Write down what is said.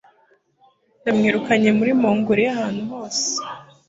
Namwirukanye muri Mongoliya ahantu hose